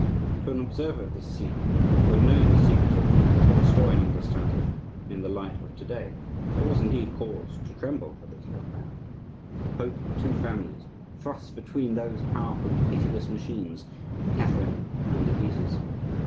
To an observer of this scene, who had known the secrets of it as the historian understands it in the light of to day, there was indeed cause to tremble for this young man,—the hope of two families,—thrust between those powerful and pitiless machines, Catherine and the Guises.